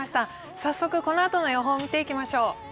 早速このあとの予報を見ていきましょう。